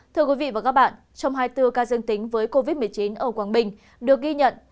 thưa quý vị và các bạn trong hai mươi bốn ca dương tính với covid một mươi chín ở quảng bình được ghi nhận